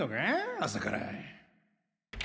朝から。